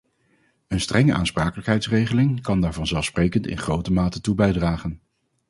Een strenge aansprakelijkheidsregeling kan daar vanzelfsprekend in grote mate toe bijdragen.